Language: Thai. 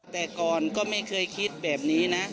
แต่ก่อนก็ไม่เคยคิดแบบนี้นะ